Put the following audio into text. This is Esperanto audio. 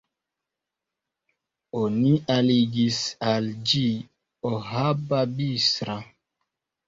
Oni aligis al ĝi Ohaba-Bistra.